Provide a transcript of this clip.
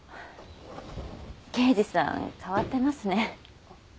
刑事さん変わってますね。